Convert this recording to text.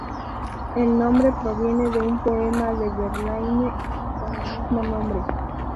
El nombre proviene de un poema de Verlaine con el mismo nombre.